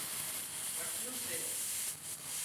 وٽلُو سي